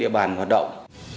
tình trạng hoạt động